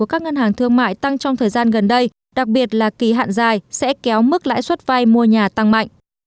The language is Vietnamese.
các ngân hàng thương mại tăng trong thời gian gần đây sẽ kéo mức lãi suất vay mua nhà tăng mạnh